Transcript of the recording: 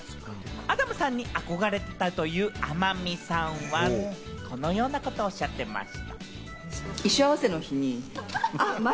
アダムさんに憧れていたという天海さんはこのようなことをおっしゃっています。